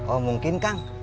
oh mungkin kak